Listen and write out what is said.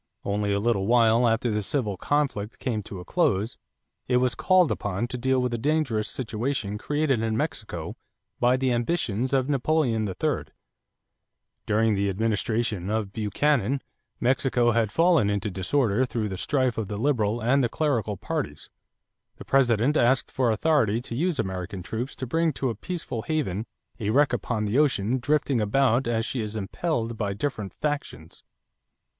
Only a little while after the civil conflict came to a close, it was called upon to deal with a dangerous situation created in Mexico by the ambitions of Napoleon III. During the administration of Buchanan, Mexico had fallen into disorder through the strife of the Liberal and the Clerical parties; the President asked for authority to use American troops to bring to a peaceful haven "a wreck upon the ocean, drifting about as she is impelled by different factions."